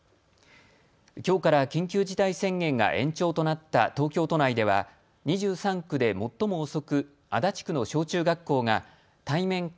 きょうから緊急事態宣言が延長となった東京都内では２３区で最も遅く足立区の小中学校が対面か